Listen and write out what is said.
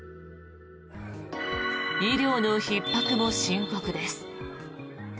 医療のひっ迫も深刻です。